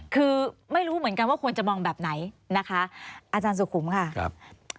คือไม่รู้เหมือนกันว่าควรจะมองแบบไหนนะคะอาจารย์สุขุมค่ะครับ